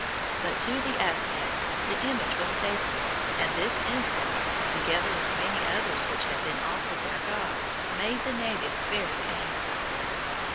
But to the Aztecs the image was sacred, and this insult, together with many others which had been offered their gods, made the natives very angry.